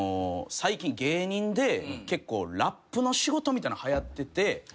最近芸人で結構ラップの仕事みたいのはやってて。